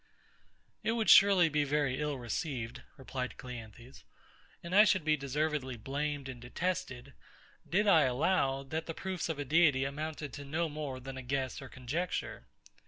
It would surely be very ill received, replied CLEANTHES; and I should be deservedly blamed and detested, did I allow, that the proofs of a Deity amounted to no more than a guess or conjecture.